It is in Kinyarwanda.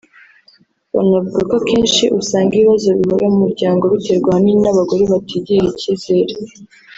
banavuga ko akenshi usanga ibibazo bihora mu miryango biterwa ahanini n’abagore batigirira icyizere